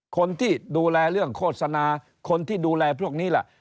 คนที่ดูแลเรื่องโฆษณาคนที่ดูแลพวกนี้ล่ะ